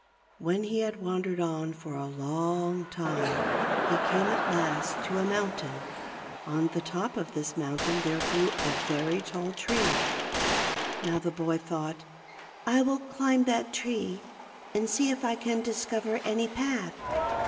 When he had wandered on for a long time he came at last to a mountain. On the top of this mountain there grew a very tall tree. Now the boy thought :" I will climb that tree and see if I can discover any path."